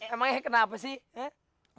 emang eh kenapa sih